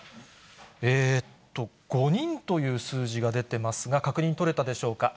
５人という数字が出てますが、確認取れたでしょうか。